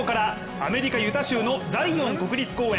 アメリカ・ユタ州のザイオン国立公園。